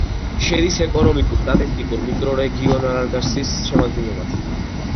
შედის ეკონომიკურ-სტატისტიკურ მიკრორეგიონ არაგარსასის შემადგენლობაში.